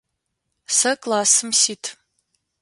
Сэ классым сит.